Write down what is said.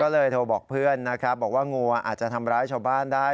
ก็เลยโทรบอกเพื่อนนะครับบอกว่างัวอาจจะทำร้ายชาวบ้านได้